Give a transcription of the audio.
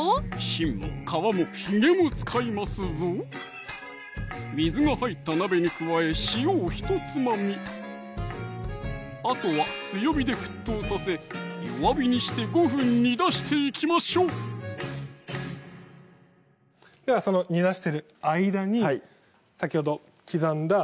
芯も皮もヒゲも使いますぞ水が入った鍋に加え塩をひとつまみあとは強火で沸騰させ弱火にして５分煮出していきましょうではその煮出してる間に先ほど刻んだ